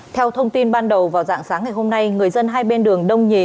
theo thông tin ban đầu vào dạng sáng ngày hôm nay người dân hai bên đường đông nhì